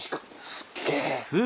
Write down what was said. すっげぇ。